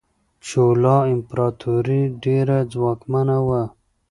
چولا امپراتوري ډیره ځواکمنه وه.